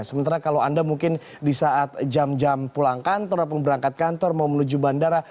sementara kalau anda mungkin di saat jam jam pulang kantor atau berangkat kantor mau menuju bandara